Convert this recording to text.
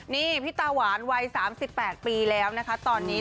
นี่พี่ตาหวานวัย๓๘ปีแล้วนะคะตอนนี้